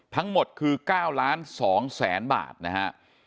ทั้งหมดคือ๙ล้าน๒แสนบาทนะฮะ